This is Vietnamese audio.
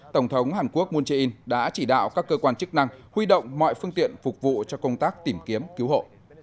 tổng thống hàn quốc moon jae in đã chỉ đạo các cơ quan chức năng huy động mọi phương tiện phục vụ cho công tác tìm kiếm cứu hộ